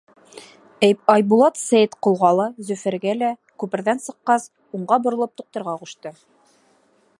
Айбулат Сәйетҡолға ла, Зөфәргә лә күперҙән сыҡҡас, уңға боролоп туҡтарға ҡушты.